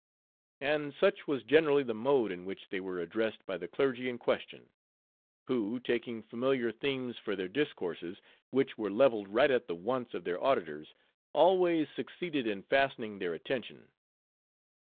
And such was generally the mode in which they were addressed by the clergy in question: who, taking familiar themes for their discourses, which were leveled right at the wants of their auditors, always succeeded in fastening their attention.